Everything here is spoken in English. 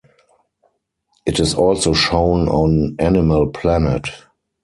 It is also shown on Animal Planet.